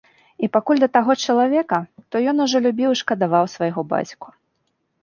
І пакуль да таго чалавека, то ён ужо любіў і шкадаваў свайго бацьку.